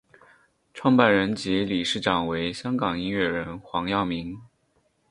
创办人及理事长为香港音乐人黄耀明。